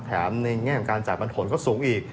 แถมในแง่ของการจ่ายปันผลก็สูงอีก